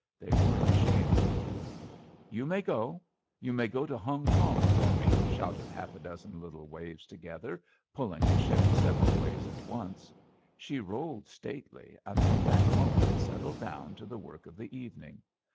They were ashamed. ^* You may go I You may go to Hongkong for mel '' shouted half a dozen little waves together, pulling the ship several ways at once. She rolled stately, and from that moment settled down to the work of the evening.